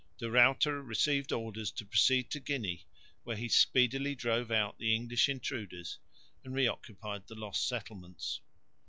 De Ruyter received orders to proceed to Guinea, where he speedily drove out the English intruders and reoccupied the lost settlements.